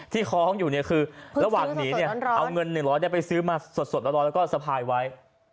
ที่ค้องอยู่คือระหว่างนี้เอาเงินเงินร้อนไปซื้อสดรอดและก็สะพายไว้